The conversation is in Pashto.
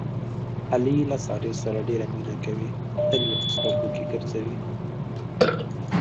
علي له سارې سره ډېره مینه کوي، تل یې په سترګو کې ګرځوي.